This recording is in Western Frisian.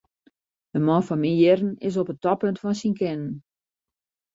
In man fan myn jierren is op it toppunt fan syn kinnen.